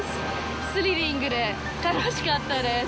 スリリングで楽しかったです。